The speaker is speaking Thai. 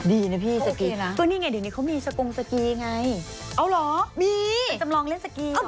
ดีนะพี่สกีนะก็นี่ไงเดี๋ยวนี้เขามีสกงสกีไงเอาเหรอมีจำลองเล่นสกี